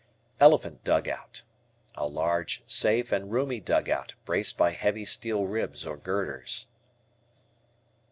Elephant Dugout. A large, safe, and roomy dugout, braced by heavy steel ribs or girders.